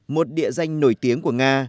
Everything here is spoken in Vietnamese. một địa danh nổi tiếng của nga